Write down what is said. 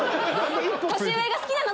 年上が好きなの！